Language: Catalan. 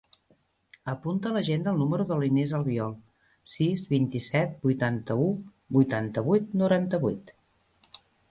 Apunta a l'agenda el número de l'Inès Albiol: sis, vint-i-set, vuitanta-u, vuitanta-vuit, noranta-vuit.